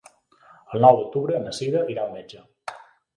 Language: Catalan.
El nou d'octubre na Sira irà al metge.